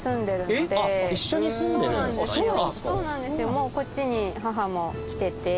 もうこっちに母も来てて。